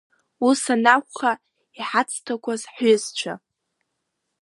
Ус анакәха, иҳацҭақәаз ҳҩызцәа…